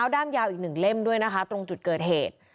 ด้ามยาวอีก๑เล่มด้วยนะคะตรงจุดเกิดเหตุ